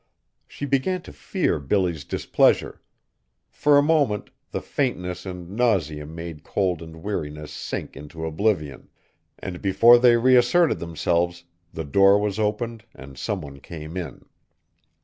She began to fear Billy's displeasure. For a moment the faintness and nausea made cold and weariness sink into oblivion, and before they reasserted themselves the door was opened and some one came in.